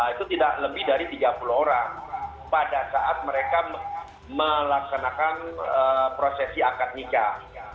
itu tidak lebih dari tiga puluh orang pada saat mereka melaksanakan prosesi akad nikah